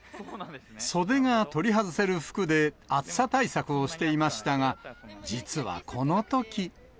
袖が取り外せる服で、暑さ対策をしていましたが、実はこのとき。